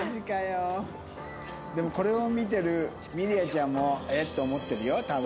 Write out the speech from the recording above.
でもこれを見てるみりあちゃんも「え？」って思ってるよ多分。